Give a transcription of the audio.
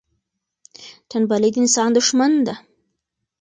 تنبلي د انسان دښمن ده.